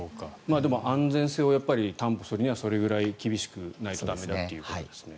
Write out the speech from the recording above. でも安全性を担保するためにはそれぐらい厳しくないと駄目だということですね。